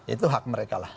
itu hak mereka lah